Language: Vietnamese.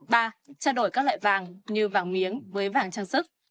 ba trao đổi các loại vàng như vàng miếng với vàng trang sức